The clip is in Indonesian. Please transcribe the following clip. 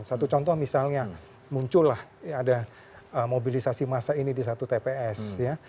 satu contoh misalnya muncullah ada mobilisasi massa ini di satu tps ya